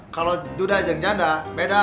kalau duda jan janda beda